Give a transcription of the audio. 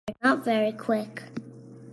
Not very Quick.